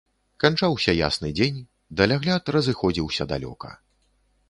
Канчаўся ясны дзень, далягляд разыходзіўся далёка.